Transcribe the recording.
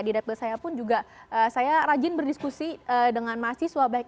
di dapil saya pun juga saya rajin berdiskusi dengan mahasiswa baik